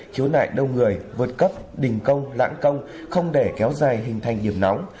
khiếu nại đông người vượt cấp đình công lãng công không để kéo dài hình thành điểm nóng